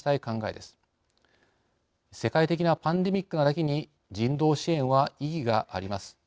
世界的なパンデミックなだけに人道支援は意義があります。